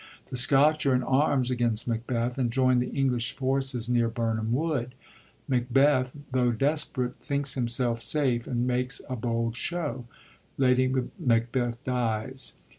The Scotch are in arms against Macbeth, and join the English forces near Bimam Wood. Maobeth, tho' desperate, thinks himself safe, and makes a lx)ld show. Lady Macbeth dies.